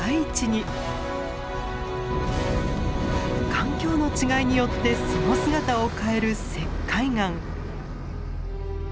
環境の違いによってその姿を変える石灰岩。